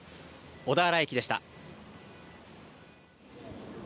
小田原駅でした。